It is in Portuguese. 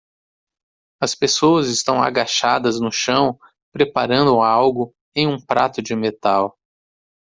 As pessoas estão agachadas no chão preparando algo em um prato de metal.